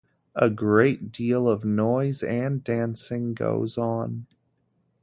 A great deal of noise and dancing goes on.